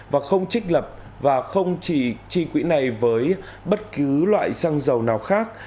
và không trích lập và không trị quỹ này với bất cứ loại xăng dầu nào khác